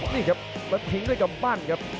นี่ครับแล้วทิ้งด้วยกำปั้นครับ